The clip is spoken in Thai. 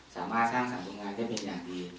สามารถสร้างสรรค์โรงงานได้เป็นอย่างดี